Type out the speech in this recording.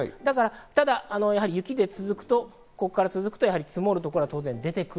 ただ雪が続くと、ここから続くと積もるところは当然出てくる。